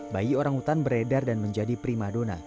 bayi orangutan beredar dan menjadi primadona